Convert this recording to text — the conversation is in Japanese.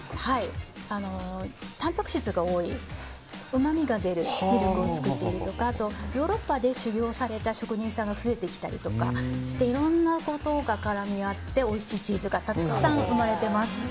タンパク質が多いうまみが出るミルクを作っているとかあと、ヨーロッパで修業された職人さんが増えてきたりとかしていろんなことが絡み合っておいしいチーズがたくさん生まれてます。